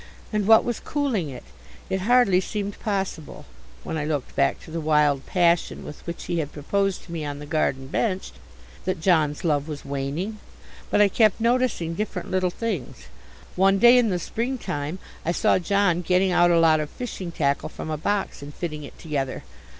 And what was cooling it? It hardly seemed possible, when I looked back to the wild passion with which he had proposed to me on the garden bench, that John's love was waning. But I kept noticing different little things. One day in the spring time I saw John getting out a lot of fishing tackle from a box and fitting it together.